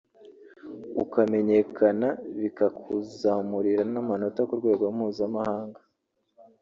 ukamenyekana bikakuzamurira n’amanota ku rwego mpuzamahanga